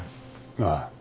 ああ。